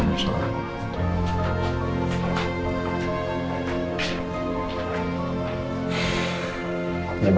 masuk ke kompo